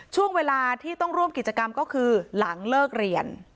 ช่วงเวลาที่ต้องร่วมกิจกรรมก็คือหลังเลิกเรียน